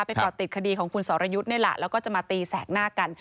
ก่อติดคดีของคุณสรยุทธ์นี่แหละแล้วก็จะมาตีแสกหน้ากัน